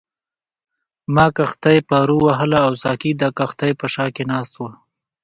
ما کښتۍ پارو وهله او ساقي د کښتۍ په شا کې ناست وو.